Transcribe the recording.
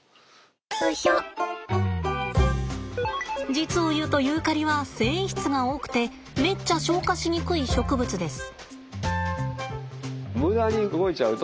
実を言うとユーカリは繊維質が多くてめっちゃ消化しにくい植物です。